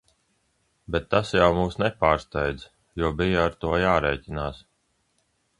Bet tas jau mūs nepārsteidz, jo bija ar to jārēķinās.